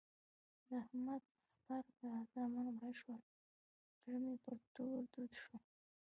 د احمد غبرګ زامن مړه شول؛ زړه مې پر تور دود شو.